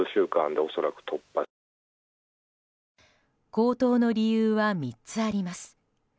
高騰の理由は３つあります。